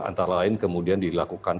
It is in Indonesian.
antara lain kemudian dilakukan